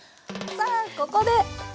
さあここで！